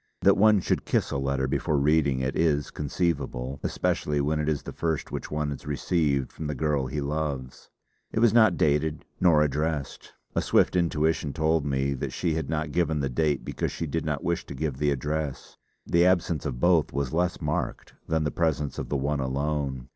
That one should kiss a letter before reading it, is conceivable, especially when it is the first which one has received from the girl he loves. It was not dated nor addressed. A swift intuition told me that she had not given the date because she did not wish to give the address; the absence of both was less marked than the presence of the one alone.